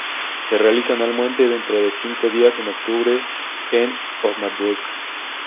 Se realiza anualmente dentro de cinco días en Octubre en Osnabrück.